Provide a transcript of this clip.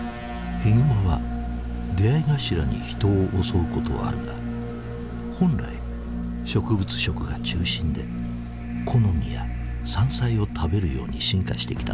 ヒグマは出会い頭に人を襲うことはあるが本来植物食が中心で木の実や山菜を食べるように進化してきた動物だ。